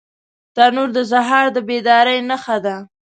تنور د سهار د بیدارۍ نښه ده